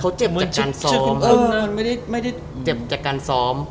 เขาเจ็บจากการซ้อมเจ็บจากการซ้อม